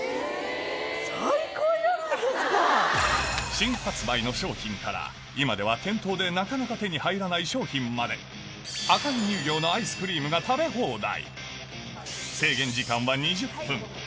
新発売の商品から今では店頭でなかなか手に入らない商品まで赤城乳業のもう決めてたんだ。